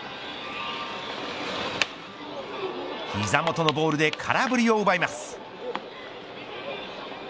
膝元のボールで空振りを奪います。